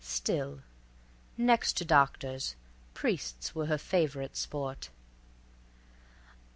Still, next to doctors, priests were her favorite sport.